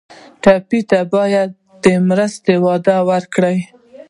ټپي ته باید د مرستې وعده وکړو.